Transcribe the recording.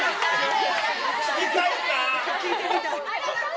聞いてみたい。